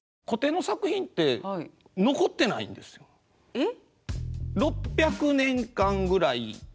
えっ？